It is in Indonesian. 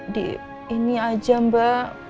di ini aja mbak